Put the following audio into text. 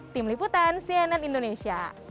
tim liputan cnn indonesia